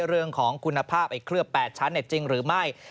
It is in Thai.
เรื่องของคุณภาพไอ้เคลือบ๘ชั้นจริงหรือไม่